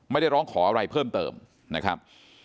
ไม่ได้ร้องขออะไรเพิ่มเติมนะครับ